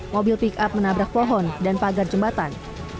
mobil pick up menabrak pohon dan pagar jembatan